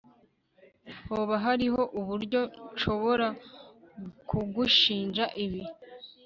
Hoba hariho uburyo nshobora kugushinja ibi